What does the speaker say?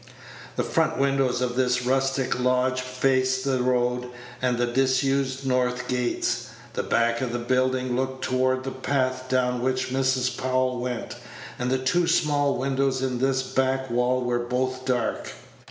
The front windows of this rustic lodge faced the road and the disused north gates; the back of the building looked toward the path down which Mrs. Powell went, and the two small windows in this back wall were both dark.